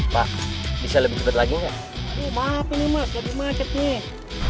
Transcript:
pak bisa lebih cepat lagi aduh maaf ini mas lebih macet nih